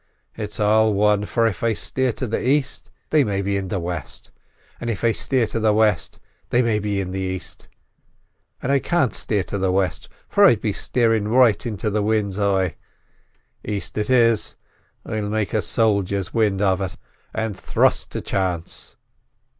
It's all wan, for if I steer to the aist, they may be in the west; and if I steer to the west, they may be in the aist; and I can't steer to the west, for I'd be steering right in the wind's eye. Aist it is; I'll make a soldier's wind of it, and thrust to chance."